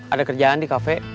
ada kerjaan di kafe